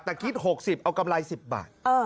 แต่คิด๖๐เอากำไร๑๐บาท